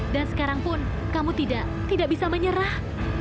dan sekarang pun kamu tidak tidak bisa menyerah